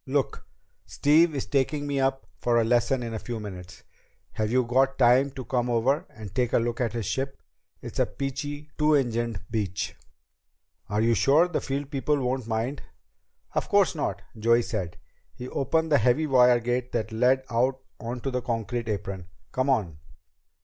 "Look, Steve is taking me up for a lesson in a few minutes. Have you got time to come over and take a look at his ship? It's a peachy two engined Beech." "Are you sure the field people won't mind?" "Of course not," Joey said. He opened the heavy wire gate that led out onto the concrete apron. "Come on."